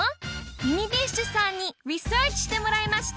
ミニビッシュさんにリサーチしてもらいました